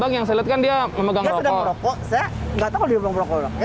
dia sedang merokok saya nggak tahu kalau dia berpeng prokok